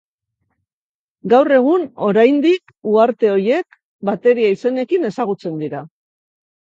Gaur egun oraindik uharte horiek bateria izenekin ezagutzen dira.